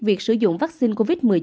việc sử dụng vaccine covid một mươi chín